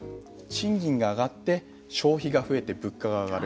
賃金が上がって消費が増えて物価が上がる。